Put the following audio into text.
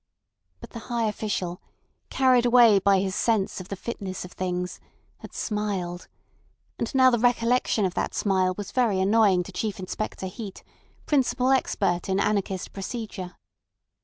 But the high official, carried away by his sense of the fitness of things, had smiled, and now the recollection of that smile was very annoying to Chief Inspector Heat, principal expert in anarchist procedure.